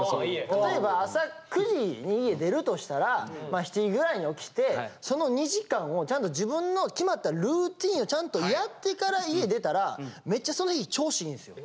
例えば朝９時に家出るとしたらまあ７時ぐらいに起きてその２時間をちゃんと自分の決まったルーティーンをちゃんとやってから家出たらめっちゃその日調子いいんすよ。